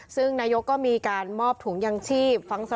ซึ่งนายกก็มีการมอบถุงยางชีพฟังสรุป